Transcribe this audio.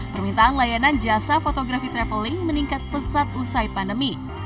permintaan layanan jasa fotografi traveling meningkat pesat usai pandemi